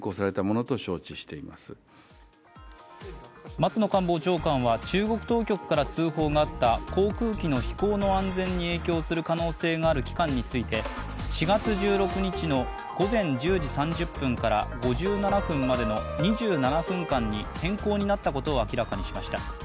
松野官房長官は中国当局から通報があった航空機の飛行の安全に影響する可能性がある期間について４月１６日の午前１０時３０分から５７分までの２７分間に変更になったことを明らかにしました。